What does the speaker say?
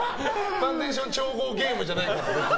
ファンデーション調合ゲームじゃないから。